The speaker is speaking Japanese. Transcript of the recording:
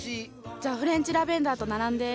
じゃあフレンチラベンダーと並んで。